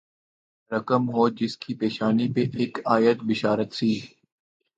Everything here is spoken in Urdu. رقم ہو جس کی پیشانی پہ اک آیت بشارت سی